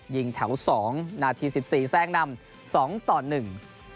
ยิงแถวสองนาทีสิบสี่แทรกนำสองต่อหนึ่ง